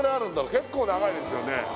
結構長いですよね